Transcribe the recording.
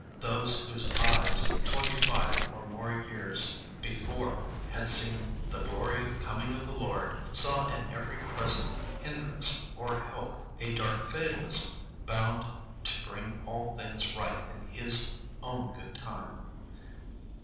Those whose eyes twenty five and more years before had seen "the glory of the coming of the Lord," saw in every present hindrance or help a dark fatalism bound to bring all things right in His own good time.